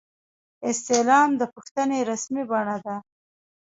استعلام د پوښتنې رسمي بڼه ده